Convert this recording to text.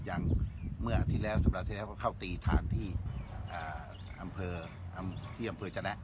อย่างเมื่อที่แล้วสำหรับที่แล้วก็เข้าตีทานที่อ่าอำเภออำที่อำเภอเจ้าแนะ